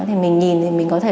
thì mình nhìn thì mình có thể